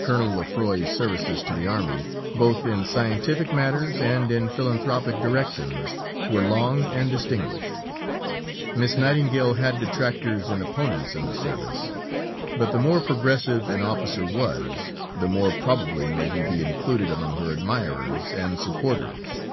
Colonel Lefroy's services to the army, both in scientific matters and in philanthropic directions, were long and distinguished. Miss Nightingale had detractors and opponents in the service; but the more progressive an officer was, the more probably may he be included among her admirers and supporters.